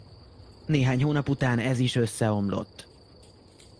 Néhány hónap után ez is összeomlott.